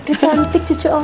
udah cantik cucu om